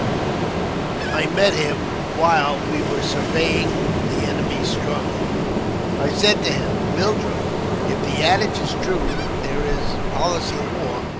I met him while we were surveying] the enemy's stronghold. I said to him, "Mildrum, if the adage is true, there is policy in war.